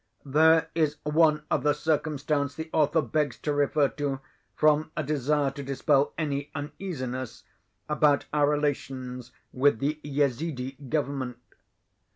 There is one other circumstance the author begs to refer to, from a desire to dispel any uneasiness about our relations with the Yezidi government.